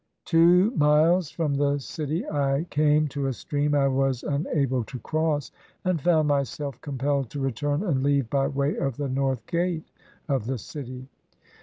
Two miles from the city I came to a stream I was unable to cross, and found myself compelled to return and leave by way of the North Gate of the city.